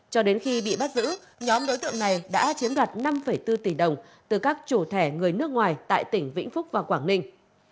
cho đến khi bị bắt giữ nhóm đối tượng này đã chiếm đoạt năm bốn tỷ đồng từ các chủ thẻ người nước ngoài tại tỉnh vĩnh phúc và quảng ninh